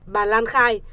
bà lan khai